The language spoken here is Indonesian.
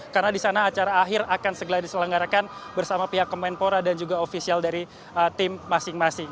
karena di sana acara akhir akan segera diselenggarakan bersama pihak kemenpora dan juga ofisial dari tim masing masing